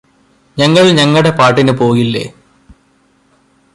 ഞങ്ങള് ഞങ്ങടെ പാട്ടിന് പോകില്ലേ